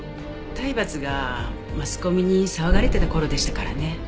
体罰がマスコミに騒がれてた頃でしたからね。